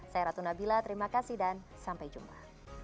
saya ratu nabila terima kasih dan sampai jumpa